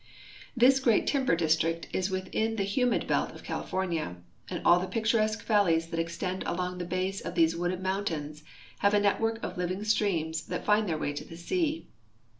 This great timber district is within the humid belt of California, and all the picturesque valle}^s that extend along the base of these wooded mountains have a network of living streams that find their way to the sea.